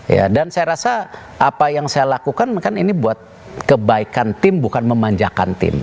ya dan saya rasa apa yang saya lakukan kan ini buat kebaikan tim bukan memanjakan tim